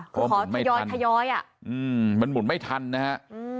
ค่ะขอถยอยมันหมุนไม่ทันนะฮะ